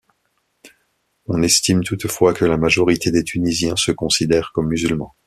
On estime toutefois que la majorité des Tunisiens se considèrent comme musulmans.